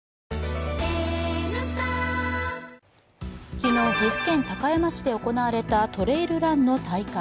昨日、岐阜県高山市で行われたトレイルランの大会。